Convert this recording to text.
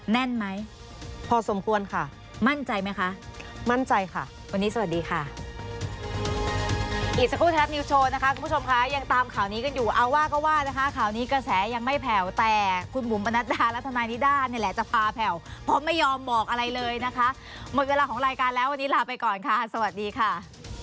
แน่นไหมพอสมควรค่ะมั่นใจไหมคะมั่นใจค่ะวันนี้สวัสดีค่ะ